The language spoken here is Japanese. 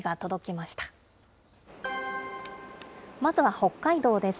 まずは北海道です。